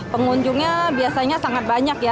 pengunjungnya biasanya sangat banyak ya